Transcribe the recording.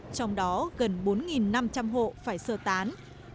trong đó gần bốn năm trăm linh hộ phải sơ tán